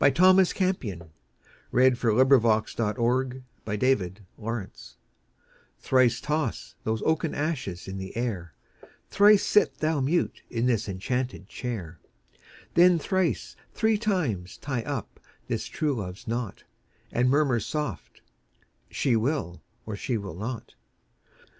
Thomas Campion Thrice Toss Those Oaken Ashes in the Air THRICE toss those oaken ashes in the air; Thrice sit thou mute in this enchanted chair; Then thrice three times tie up this true love's knot, And murmur soft: "She will, or she will not."